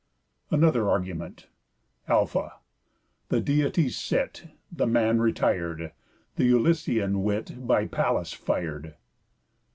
ANOTHER ARGUMENT Ἂλφα. The Deities sit; The Man retired; Th' Ulyssean wit By Pallas fired.